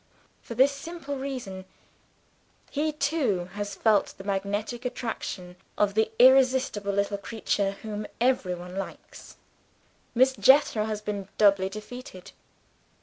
For this simple reason. He too has felt the magnetic attraction of the irresistible little creature whom every one likes. Miss Jethro has been doubly defeated.